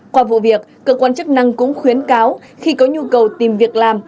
qua vụ việc cơ quan chức năng cũng khuyến cáo khi có nhu cầu tìm việc làm